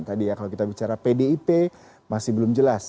tadi ya kalau kita bicara pdip masih belum jelas